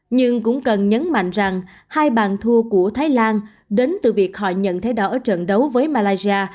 nhưng cũng cần nhấn mạnh rằng hai bàn thua của thái lan đến từ việc họ nhận thấy đó ở trận đấu với malaysia